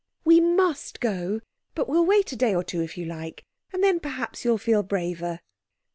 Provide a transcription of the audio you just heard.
We must go, but we'll wait a day or two if you like and then perhaps you'll feel braver."